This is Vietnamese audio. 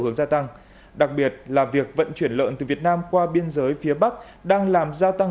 hướng gia tăng đặc biệt là việc vận chuyển lợn từ việt nam qua biên giới phía bắc đang làm gia tăng